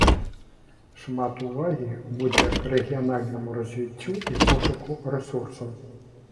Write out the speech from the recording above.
Шмат увагі будзе рэгіянальнаму развіццю і пошуку рэсурсаў.